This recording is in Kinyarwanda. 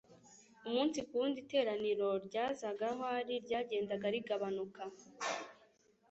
Umunsi ku wundi iteraniro ryazaga aho ari ryagendaga rigabanuka.